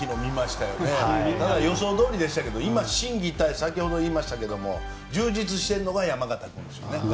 ただ、予想どおりでしたけど今、心技体先ほども言いましたが充実しているのが山縣選手。